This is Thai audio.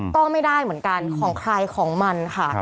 ก็ไม่ได้เหมือนกันของใครของมันค่ะ